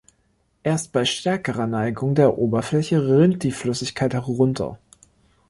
Erst bei stärkerer Neigung der Oberfläche rinnt die Flüssigkeit herunter.